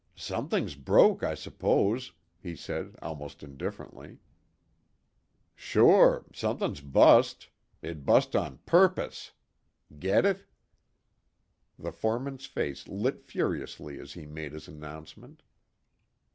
"Something broke, I s'pose," he said almost indifferently. "Sure. Suthin' bust. It bust on purpose. Get it?" The foreman's face lit furiously as he made his announcement.